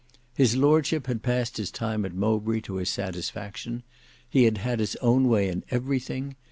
His Lordship had passed his time at Mowbray to his satisfaction. He had had his own way in everything.